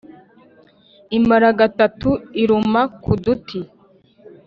imara gatatu iruma ku duti !